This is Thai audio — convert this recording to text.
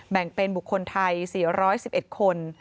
แบ่งเป็นบุคคลไทย๔๑๑คน